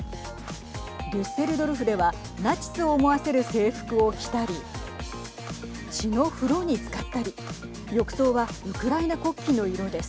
デュッセルドルフではナチスを思わせる制服を着たり血の風呂につかったり浴槽はウクライナ国旗の色です。